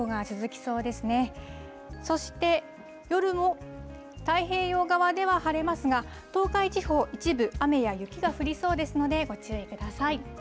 そして、夜も太平洋側では晴れますが、東海地方、一部、雨や雪が降りそうですので、ご注意ください。